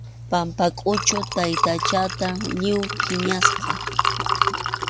Pampakʼuchu taytachataq lliw phiñasqa.